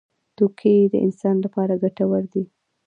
توکي د انسان لپاره ګټور دي.